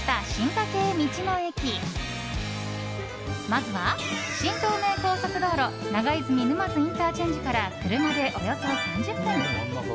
まずは新東名高速道路長泉沼津ＩＣから車でおよそ３０分。